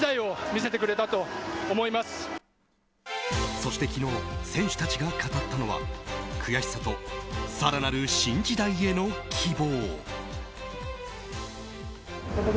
そして昨日選手たちが語ったのは悔しさと更なる新時代への希望。